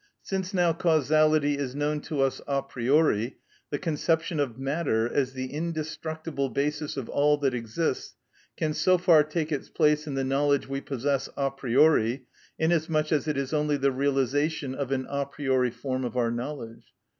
Since now causality is known to us a priori, the conception of matter, as the indestructible basis of all that exists, can so far take its place in the knowledge we possess a priori, inasmuch as it is only the realisation of an a priori form of our knowledge.